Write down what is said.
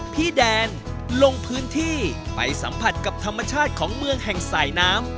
พี่แดนลงพื้นที่ไปสัมผัสกับธรรมชาติของเมืองแห่งสายน้ำ